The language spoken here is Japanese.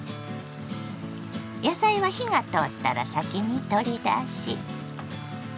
野菜は火が通ったら先に取り出し。